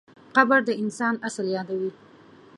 قبر د انسان اصل یادوي.